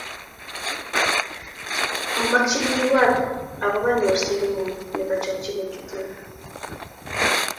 Mamakchin ibwat akoba nyorset ngung nebo chokchet kityo